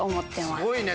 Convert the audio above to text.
すごいね。